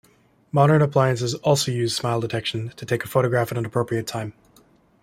Modern appliances also use smile detection to take a photograph at an appropriate time.